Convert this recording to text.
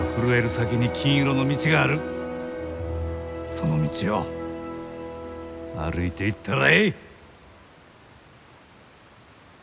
その道を歩いていったらえい！